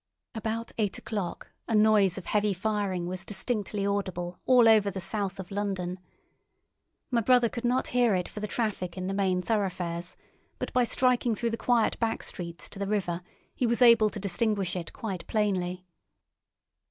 About eight o'clock a noise of heavy firing was distinctly audible all over the south of London. My brother could not hear it for the traffic in the main thoroughfares, but by striking through the quiet back streets to the river he was able to distinguish it quite plainly.